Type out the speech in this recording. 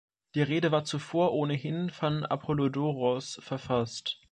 Die Rede war zuvor ohnehin von Apollodoros verfasst.